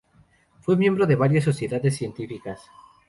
Fue miembro de varias sociedades científicas.